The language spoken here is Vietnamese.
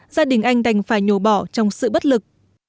gia đình anh đành phải nhổ bỏ trong sự bất lực